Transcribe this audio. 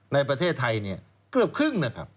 ในประเทศไทยเนี่ยเกือบครึ่งนะครับ